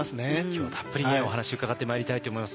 今日たっぷりねお話伺ってまいりたいと思います。